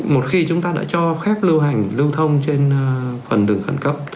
một khi chúng ta đã cho phép lưu hành lưu thông trên phần đường khẩn cấp